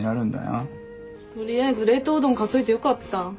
取りあえず冷凍うどん買っといてよかった。